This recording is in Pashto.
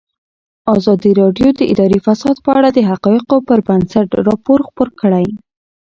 ازادي راډیو د اداري فساد په اړه د حقایقو پر بنسټ راپور خپور کړی.